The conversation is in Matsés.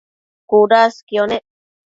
cudasquio nec